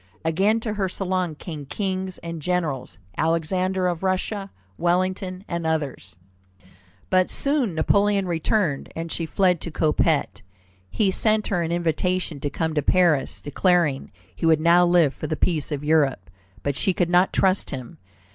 Again to her salon came kings and generals, Alexander of Russia, Wellington, and others. But soon Napoleon returned, and she fled to Coppet. He sent her an invitation to come to Paris, declaring he would now live for the peace of Europe, but she could not trust him.